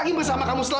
ini aku fadil